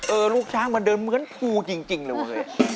เออลูกช้างมันเดินเหมือนภูจริงเลย